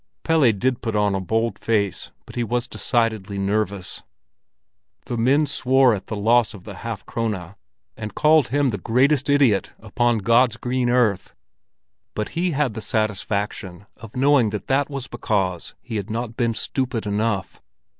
Pelle did put on a bold face, but he was decidedly nervous. The men swore at the loss of the half krone, and called him the "greatest idiot upon God's green earth"; but he had the satisfaction of knowing that that was because he had not been stupid enough.